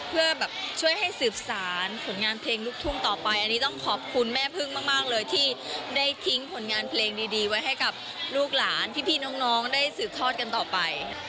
เพื่อแบบช่วยให้สืบสารผลงานเพลงลูกทุ่งต่อไปอันนี้ต้องขอบคุณแม่พึ่งมากเลยที่ได้ทิ้งผลงานเพลงดีไว้ให้กับลูกหลานที่พี่น้องได้สืบทอดกันต่อไป